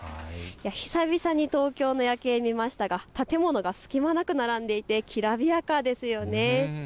久々に東京の夜景を見ましたが建物が隙間なく並んでいてきらびやかですよね。